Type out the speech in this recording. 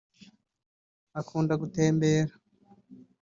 akunda gutembera